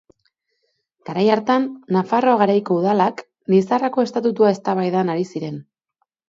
Garai hartan, Nafarroa Garaiko udalak Lizarrako estatutua eztabaidan ari ziren.